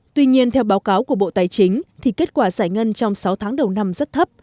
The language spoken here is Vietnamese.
tuy nhiên theo báo cáo của bộ tài chính thì kết quả giải ngân trong sáu tháng đầu năm rất thấp